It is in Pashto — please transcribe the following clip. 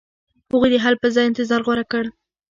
هغوی د حل په ځای انتظار غوره کړ.